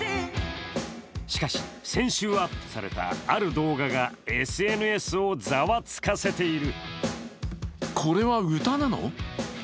しかし、先週アップされたある動画がＳＮＳをざわつかせている。